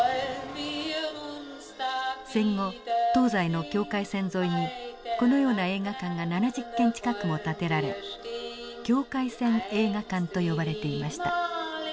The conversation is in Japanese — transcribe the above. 戦後東西の境界線沿いにこのような映画館が７０軒近くも建てられ境界線映画館と呼ばれていました。